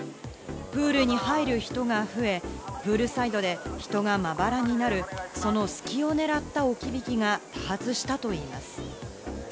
プールに入る人が増え、プールサイドで人がまばらになる、その隙を狙った置き引きが多発したといいます。